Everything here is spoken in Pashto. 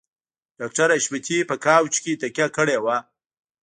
ډاکټر حشمتي په کاوچ کې تکيه کړې وه